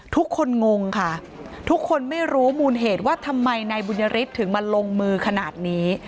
งงค่ะทุกคนไม่รู้มูลเหตุว่าทำไมนายบุญยฤทธิ์ถึงมาลงมือขนาดนี้